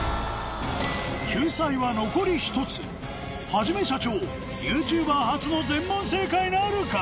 救済は残り１つはじめしゃちょーＹｏｕＴｕｂｅｒ初の全問正解なるか？